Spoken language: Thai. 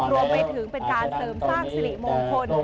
รวมไปถึงเป็นการเสริมสร้างสิริมงคล